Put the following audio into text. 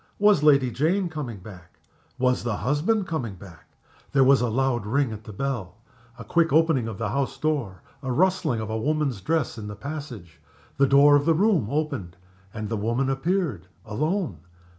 Was Lady Jane coming back? Was the husband coming back? There was a loud ring at the bell a quick opening of the house door a rustling of a woman's dress in the passage. The door of the room opened, and the woman appeared alone.